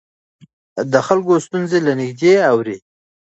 هغه د خلکو ستونزې له نږدې اورېدلې.